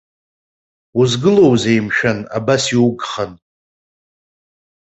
Узгылоузеи, мшәан, абас иугхан.